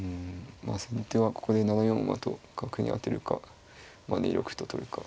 まあ先手はここで７四馬と角に当てるか２六歩と取るか。